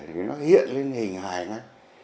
thì nó hiện lên hình hài ngay